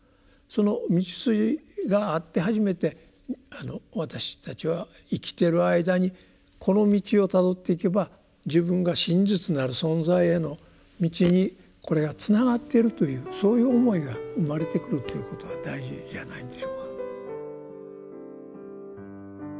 その道筋があって初めて私たちは生きてる間にこの道をたどっていけば自分が真実なる存在への道にこれがつながっているというそういう思いが生まれてくるということが大事じゃないんでしょうか。